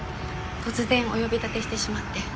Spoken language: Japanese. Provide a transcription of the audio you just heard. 突然お呼び立てしてしまって。